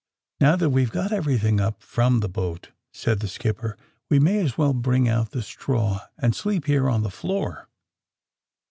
^^Now, that weVe got everything up from the boat/' said the skipper, '^we may as well bring out the straw and sleep here on the floor.